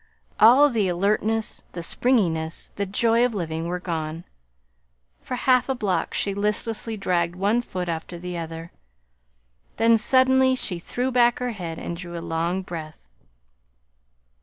All the alertness, the springiness, the joy of living were gone. For half a block she listlessly dragged one foot after the other. Then, suddenly, she threw back her head and drew a long breath.